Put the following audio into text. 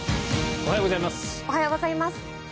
おはようございます。